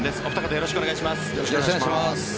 よろしくお願いします。